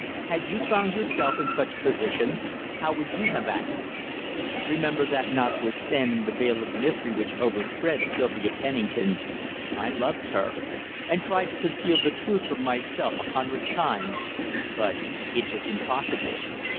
Had you found yourself in such a position, how would you have acted? Remember that, notwithstanding the veil of mystery which overspread Sylvia Pennington, I loved her, and tried to conceal the truth from myself a hundred times, but it was impossible.